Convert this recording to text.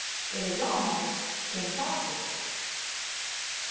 It is almost impossible.